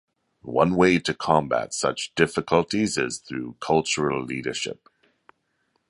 One way to combat such difficulties is through cultural leadership.